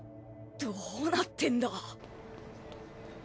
どうなってんだ？